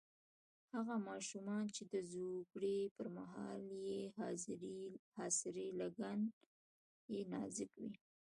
هغه ماشومان چې د زوکړې پر مهال یې خاصرې لګن یې نازک وي.